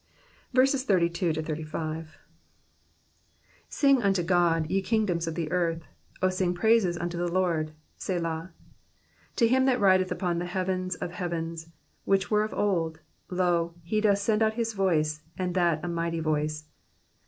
32 Sing unto God, ye kingdoms of the earth ; O sing praises unto the Lord ; Selah. 33 To him that rideth upon the heavens of heavens, whick were of old • lo, he doth send out his voice, and that a mighty voice.